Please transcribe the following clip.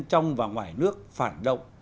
trong và ngoài nước phản động